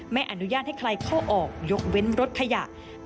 ไม่อนุญาตให้ใครเข้าออกยกเว้นรถขยะ